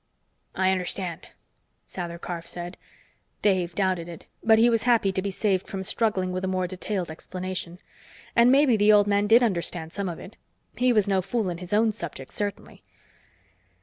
"I understand," Sather Karf said. Dave doubted it, but he was happy to be saved from struggling with a more detailed explanation. And maybe the old man did understand some of it. He was no fool in his own subject, certainly.